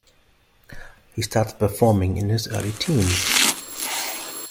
He started performing in his early teens.